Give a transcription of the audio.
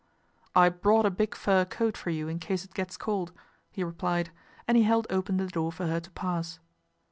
" I brought a big fur coat for you in case it gets cold," he replied, and he held open the door for her to pass.